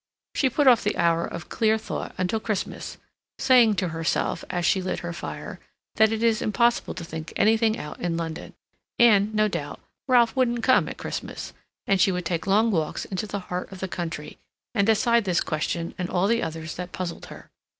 She put off the hour of clear thought until Christmas, saying to herself, as she lit her fire, that it is impossible to think anything out in London; and, no doubt, Ralph wouldn't come at Christmas, and she would take long walks into the heart of the country, and decide this question and all the others that puzzled her.